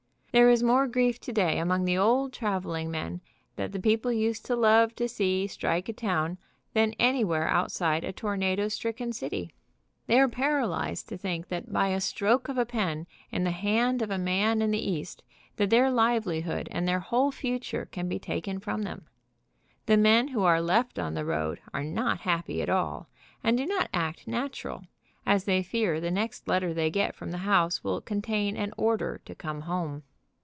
There is more grief today among the old traveling men that the people used to love to see strike a town, than anywhere outside a tornado stricken city. They are paralyzed to think that by a stroke of a pen in the hand of a man in the East that their livelihood and their whole future can be taken from them. The men who are left on the road are not happy at all, and do not act natural, as they fear the next letter they get from the house will contain an order to come home.